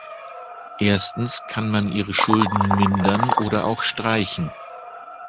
Erstens kann man ihre Schulden mindern oder auch streichen.